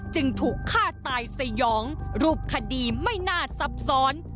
จึงถูกฆ่าตายสยองรูปคดีไม่น่าซับซ้อน